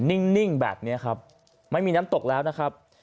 นิ่งแบบนี้ครับไม่มีน้ำตกแล้วนะครับ